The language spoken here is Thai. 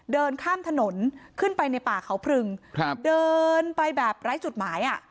เดินข้ามถนนขึ้นไปในป่าเขาพรึงครับเดินไปแบบไร้จุดหมายอ่ะ